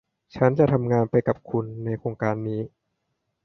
ฉันจะทำงานไปกับคุณในโครงการนี้